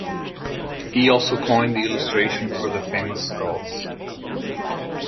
He also coined the illustration for the famous skulls.